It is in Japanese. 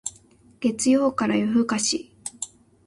月曜から夜更かし